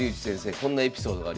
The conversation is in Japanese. こんなエピソードがあります。